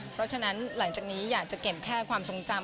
เพราะฉะนั้นหลังจากนี้อยากจะเก็บแค่ความทรงจำ